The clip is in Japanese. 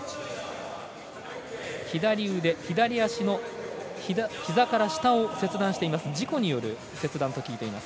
左腕、左足のひざから下を切断しています。